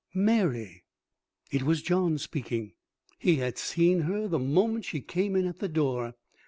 "Mary!" It was John speaking. He had seen her the moment she came in at the door.